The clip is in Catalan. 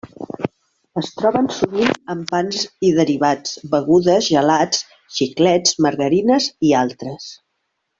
Es troben sovint en pans i derivats, begudes, gelats, xiclets, margarines i altres.